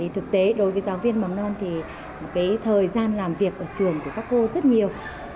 thực tế đối với giáo viên mầm non thì thời gian làm việc ở trường của các cô rất nhiều